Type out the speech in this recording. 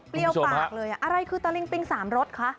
เปรี้ยวปากเลยอะไรคือตาลิ้งปิงสามรสคะ